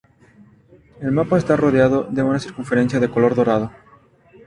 El mapa está rodeado de una circunferencia de color dorado.